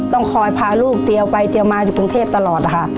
ต้องคอยพาลูกเตียวไปเตียวมาอยู่กรุงเทพตลอดนะคะ